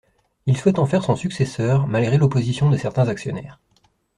Il souhaite en faire son successeur malgré l’opposition de certains actionnaires.